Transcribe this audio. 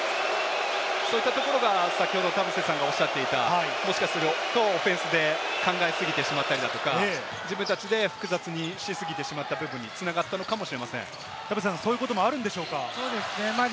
そういったところが先ほど田臥さんがおっしゃっていた、もしかするとオフェンスで考えすぎてしまったりだとか、自分たちで複雑にしすぎてしまった部分に繋がったのかもしれません。